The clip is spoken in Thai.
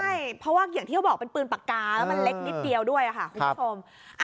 ใช่เพราะว่าอย่างที่เขาบอกเป็นปืนปากกาแล้วมันเล็กนิดเดียวด้วยค่ะคุณผู้ชม